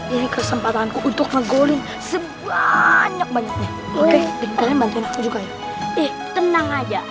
ini kesempatanku untuk menggoling sebanyak banyaknya oke bantuin aku juga ya tenang aja